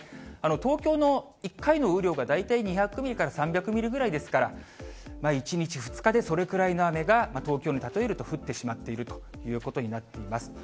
東京の１回の雨量が、大体２００ミリから３００ミリぐらいですから、１日、２日でそれくらいの雨が東京に例えると降ってしまっているということになっています。